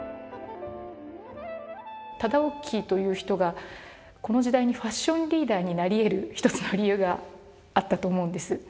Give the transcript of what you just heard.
忠興という人がこの時代にファッションリーダーになりえる一つの理由があったと思うんです。